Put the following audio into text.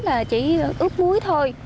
là chỉ ướp muối thôi